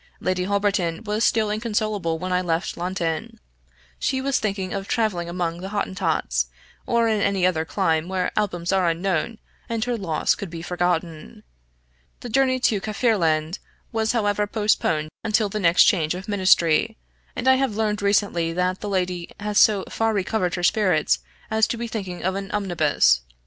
Lady Holberton was still inconsolable when I left London; she was thinking of traveling among the Hottentots, or in any other clime where albums are unknown and her loss could be forgotten. The journey to Kaffirland was however postponed until the next change of ministry, and I have learned recently that the lady has so far recovered her spirits as to be thinking of an 'Omnibus.'